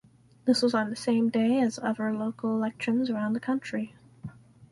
This was on the same day as other local elections around the country.